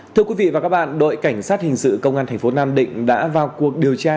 thưa quý vị và các bạn đội cảnh sát hình sự công an thành phố nam định đã vào cuộc điều tra